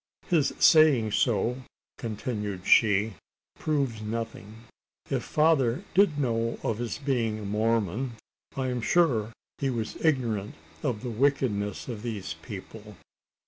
"His saying so," continued she, "proves nothing. If father did know of his being a Mormon, I am sure he was ignorant of the wickedness of these people.